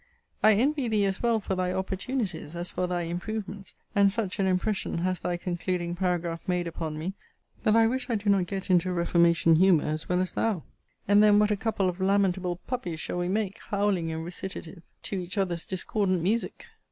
I envy thee as well for thy opportunities, as for thy improvements: and such an impression has thy concluding paragraph* made upon me, that I wish I do not get into a reformation humour as well as thou: and then what a couple of lamentable puppies shall we make, howling in recitative to each other's discordant music!